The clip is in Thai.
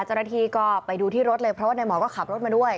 เจ้าหน้าที่ก็ไปดูที่รถเลยเพราะว่าในหมอก็ขับรถมาด้วย